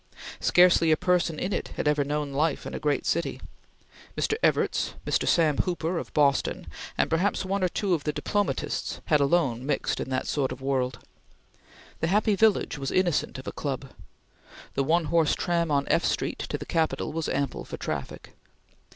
Scarcely a person in it had ever known life in a great city. Mr. Evarts, Mr. Sam Hooper, of Boston, and perhaps one or two of the diplomatists had alone mixed in that sort of world. The happy village was innocent of a club. The one horse tram on F Street to the Capitol was ample for traffic.